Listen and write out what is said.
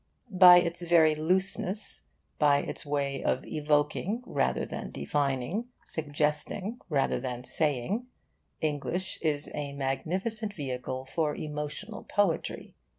By its very looseness, by its way of evoking rather than defining, suggesting rather than saying, English is a magnificent vehicle for emotional poetry.